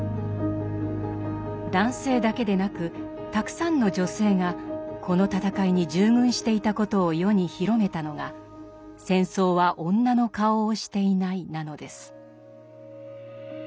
男性だけでなくたくさんの女性がこの戦いに従軍していたことを世に広めたのが「戦争は女の顔をしていない」なのです。